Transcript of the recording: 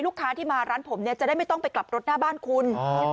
ลูกค้าที่มาร้านผมเนี่ยจะได้ไม่ต้องไปกลับรถหน้าบ้านคุณ